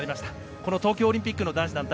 この東京オリンピックの男子団体